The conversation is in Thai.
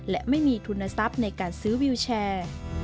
และไม่มีทุนทรัพย์ในการซื้อวิวแชร์